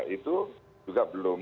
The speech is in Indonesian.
itu juga belum